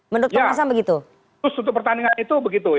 menurut pemirsa begitu